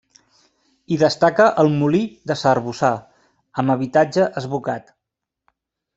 Hi destaca el Molí de s'Arboçar, amb habitatge esbucat.